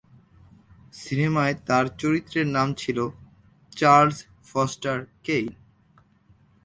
সিনেমায় তার চরিত্রের নাম ছিল চার্লস ফস্টার কেইন।